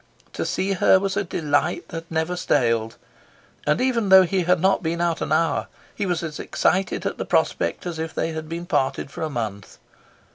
To see her was a delight that never staled, and even though he had not been out an hour he was as excited at the prospect as if they had been parted for a month.